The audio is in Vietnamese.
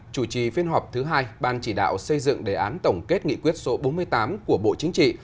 chủ trì phiên họp thứ hai ban chỉ đạo xây dựng đề án tổng kết nghị quyết số bốn mươi tám của bộ chính trị